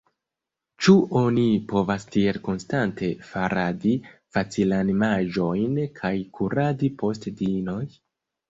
Ĉu oni povas tiel konstante faradi facilanimaĵojn kaj kuradi post diinoj?